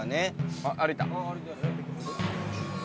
あっ歩いた。